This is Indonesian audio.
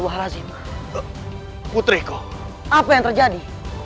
raih rahi putri kau apa yang terjadi